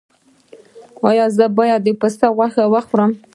ایا زه باید د پسې غوښه وخورم؟